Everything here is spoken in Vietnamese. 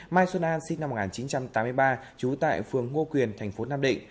mai xuân an sinh năm một nghìn chín trăm tám mươi ba trú tại phường ngô quyền thành phố nam định